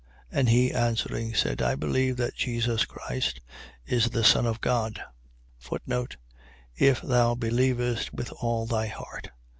And he answering, said: I believe that Jesus Christ is the Son of God. If thou believest with all thy heart.